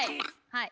はい！